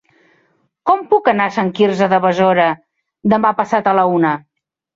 Com puc anar a Sant Quirze de Besora demà passat a la una?